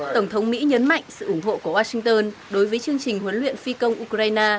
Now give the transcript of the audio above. tổng thống mỹ nhấn mạnh sự ủng hộ của washington đối với chương trình huấn luyện phi công ukraine